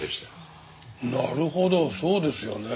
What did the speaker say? なるほどそうですよね。